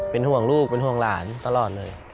เป็นห่วงลูกเป็นห่วงหลานตลอดเลย